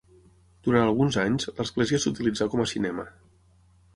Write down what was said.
Durant alguns anys, l'església s'utilitzà com a cinema.